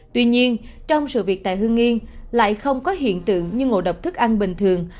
tuy nhiên trong sự việc tại hương yên lại không có hiện tượng như ngộ độc thức ăn bình thường